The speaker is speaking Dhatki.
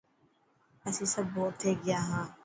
اسين سڀ بور ٿي گيا هان.